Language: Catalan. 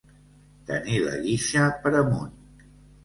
Tenir la guixa per amunt.